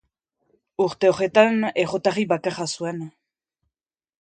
Urte horretan errotarri bakarra zuen.